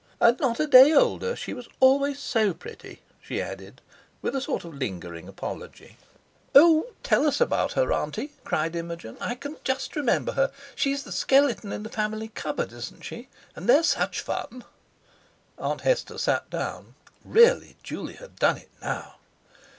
And not a day older; she was always so pretty," she added, with a sort of lingering apology. "Oh! tell us about her, Auntie," cried Imogen; "I can just remember her. She's the skeleton in the family cupboard, isn't she? And they're such fun." Aunt Hester sat down. Really, Juley had done it now!